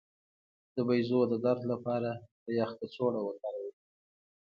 د بیضو د درد لپاره د یخ کڅوړه وکاروئ